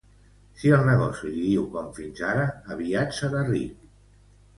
Si el negoci li diu com fins ara, aviat serà ric.